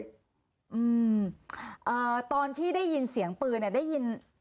มคตอนที่ได้ยินเสียงปืนได้ยิน